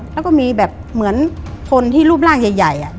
แล้วก็มีแบบเหมือนคนที่รูปร่างใหญ่